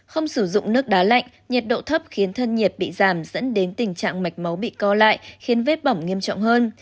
không sử dụng nước đá lạnh nhiệt độ thấp khiến thân nhiệt bị giảm dẫn đến tình trạng mạch máu bị co lại khiến vết bỏng nghiêm trọng hơn